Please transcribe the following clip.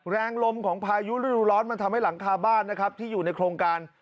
แรงลมของพายุฤดูร้อนมันทำให้หลังคาบ้านนะครับที่อยู่ในโครงการ